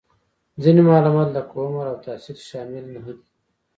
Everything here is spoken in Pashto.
ځینې معلومات لکه عمر او تحصیل شامل نهدي